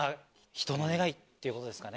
人の願いってことですかね。